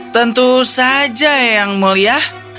tentu saja yang mulia